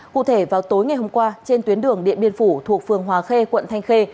cụ thể vào tối ngày hôm qua trên tuyến đường điện biên phủ thuộc phường hòa khê quận thanh khê